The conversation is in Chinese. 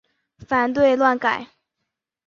反对乱改！